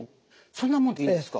そんなもんでいいんですか？